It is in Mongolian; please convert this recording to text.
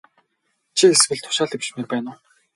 Чи эсвэл тушаал дэвшмээр байна уу?